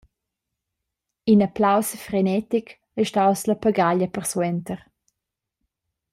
In applaus frenetic ei staus la pagaglia persuenter.